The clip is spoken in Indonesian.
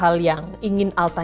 udah udah udah